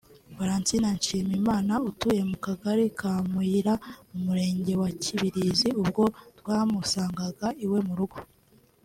Francine Nshimimana utuye mu kagari ka Muyira mu murenge wa Kibirizi ubwo twamusangaga iwe mu rugo